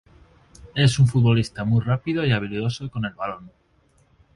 Es un futbolista muy rápido y habilidoso con el balón.